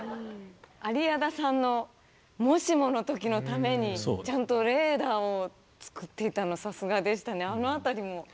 有屋田さんのもしもの時のためにちゃんとレーダーを作っていたのさすがでしたね。